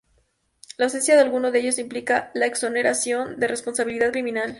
La ausencia de alguno de ellos implica la exoneración de responsabilidad criminal.